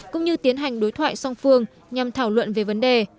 cũng như tiến hành đối thoại song phương nhằm thảo luận về vấn đề